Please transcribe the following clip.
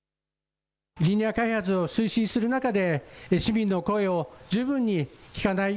リニア開発を推進する中で市民の声を十分に聞かない。